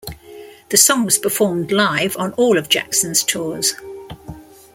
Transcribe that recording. The song was performed live on all of Jackson's tours.